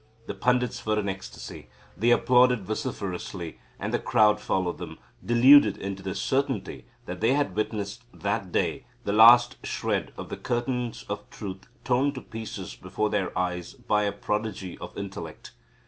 The pandits were in ecstasy; they applauded vociferously; and the crowd followed them, deluded into the certainty that they had witnessed, that day, the last shred of the curtains of Truth torn to pieces before their eyes by a prodigy of intellect.